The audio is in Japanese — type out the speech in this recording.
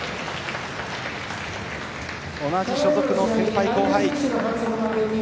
同じ所属の先輩・後輩。